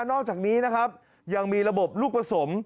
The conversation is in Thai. นอกจากนี้นะครับยังมีระบบลูกผสม